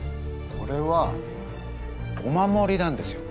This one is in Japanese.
これはお守りなんですよ。